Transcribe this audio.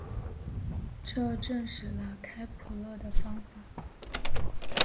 这证实了开普勒的方法。